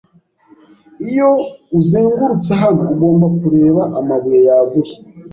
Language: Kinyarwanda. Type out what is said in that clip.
Iyo uzengurutse hano, ugomba kureba amabuye yaguye.